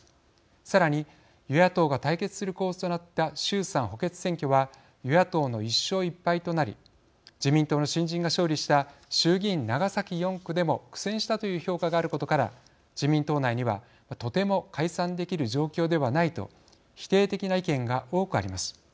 さらに、与野党が対決する構図となった衆参補欠選挙は与野党の１勝１敗となり自民党の新人が勝利した衆議院長崎４区でも苦戦したという評価があることから自民党内にはとても解散できる状況ではないと否定的な意見が多くあります。